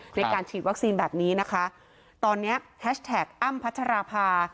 ในการฉีดวัคซีนแบบนี้นะคะตอนเนี้ยแฮชแท็กอ้ำพัชราภา